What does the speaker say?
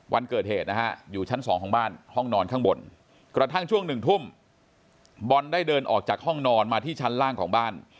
วันเกิดเหตุนะฮะอยู่ชั้น๒ของบ้านห้องนอนข้างบนกระทั่งช่วง๑ทุ่มบอลได้เดินออกจากห้องนอนมาที่ชั้นล่างของบ้าน